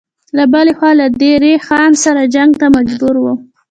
له بلې خوا له دیر خان سره جنګ ته مجبور و.